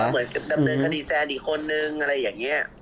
ดำเนินคดีแฟนอีกคนนึงอะไรอย่างนี้